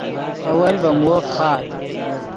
اول ڤے مووف فخآت